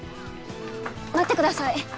待ってください。